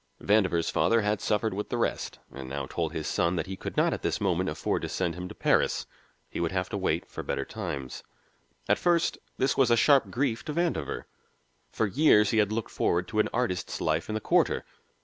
Vandover's father had suffered with the rest, and now told his son that he could not at this time afford to send him to Paris. He would have to wait for better times. At first this was a sharp grief to Vandover; for years he had looked forward to an artist's life in the Quarter.